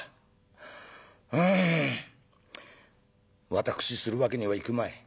私するわけにはいくまい。